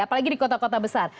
apalagi di kota kota besar